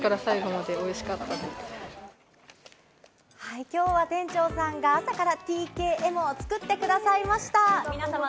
はい、今日は店長さんが朝からＴＫＭを作ってくださいました。